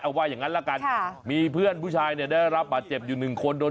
เอาไว้อย่างนั้นแล้วกันมีเพื่อนผู้ชายได้รับปัดเจ็บอยู่๑คน